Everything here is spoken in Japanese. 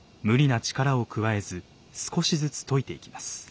無理な力を加えず少しずつといていきます。